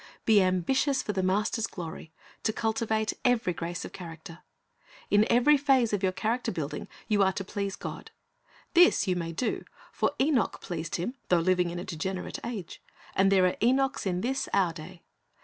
Be ambitious, for the Master's glory, to cultivate every grace of character. In every phase of your character building you are to please God. This you may do; for Enoch pleased Him, though living in a degenerate age. And there are Enochs in this our day.